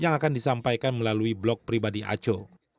yang akan disampaikan melalui blog pribadi aco